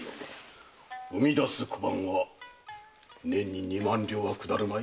生み出す小判は年に二万両は下るまい。